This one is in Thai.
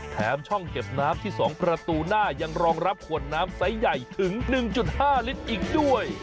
แถมช่องเก็บน้ำที่๒ประตูหน้ายังรองรับขวดน้ำไซส์ใหญ่ถึง๑๕ลิตรอีกด้วย